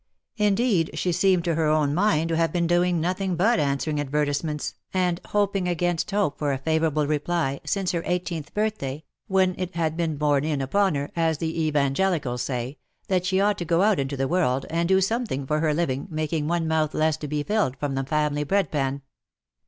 Indeed, she seemed, to her own mind, to have been doing nothing but answering advertisements, and hoping against hope 164 IX SOCIETY. for a favourable replv, since lier eighteentli birthday, when it had been borne in upon her, as the Evangelicals say, that she ought to go out into the world, and do something for her living, making one mouth less to be filled from the family bread pan.